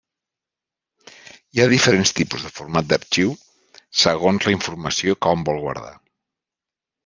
Hi ha diferents tipus de format d'arxiu segons la informació que hom vol guardar.